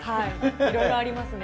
いろいろありますね。